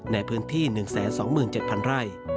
ในพื้นที่๑๒๗๐๐ไร่